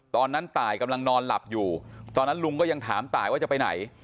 ตอนนั้นตายกำลังนอนหลับอยู่ตอนนั้นลุงก็ยังถามตายว่าจะไปไหน